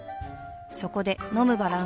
そこで飲むバランス栄養食